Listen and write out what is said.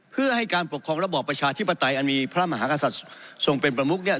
เพื่อให้การปกครองระบอบประชาธิปไตยอันมีพระมหากษัตริย์ทรงเป็นประมุกเนี่ย